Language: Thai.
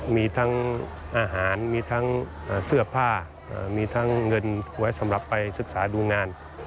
มีทั้งอาหารมีทั้งเสื้อผ้ามีทั้งเงินไว้สำหรับไปศึกษาดูงาน